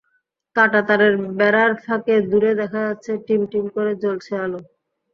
কাঁটাতারের বেড়ার ফাঁকে দূরে দেখা যাচ্ছে টিম টিম করে জ্বলছে আলো।